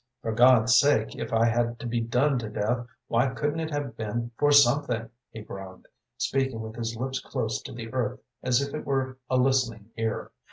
"For God's sake, if I had to be done to death, why couldn't it have been for something?" he groaned, speaking with his lips close to the earth as if it were a listening ear.